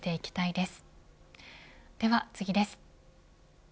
では次です。